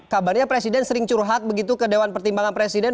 kabarnya presiden sering curhat begitu ke dewan pertimbangan presiden